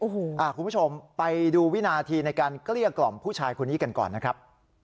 คุณผู้ชมไปดูวินาทีในการเกลี้ยกล่อมผู้ชายคนนี้กันก่อนนะครับ